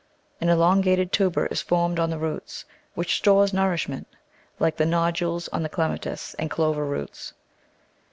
An elongated tuber is formed on the roots, which stores nourishment — like the nodules on the Clematis and Clover roots.